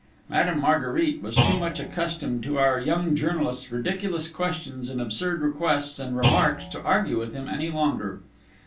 Madame Marguerite was too much accustomed to our young journalist's ridiculous questions and absurd requests and remarks to argue with him any longer.